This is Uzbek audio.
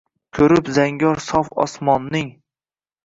Ko’rib zangor sof osmonning —